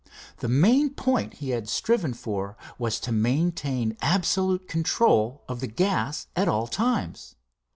The main point he had striven for was to maintain absolute control of the gas at all times.